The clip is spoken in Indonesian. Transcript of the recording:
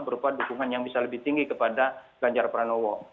berupa dukungan yang bisa lebih tinggi kepada ganjar pranowo